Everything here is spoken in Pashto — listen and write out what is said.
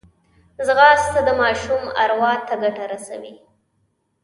ځغاسته د ماشوم اروا ته ګټه رسوي